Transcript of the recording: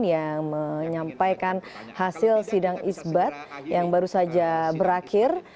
yang menyampaikan hasil sidang isbat yang baru saja berakhir